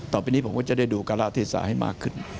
ต่อไปนี้ผมก็จะได้ดูการาเทศาให้มากขึ้น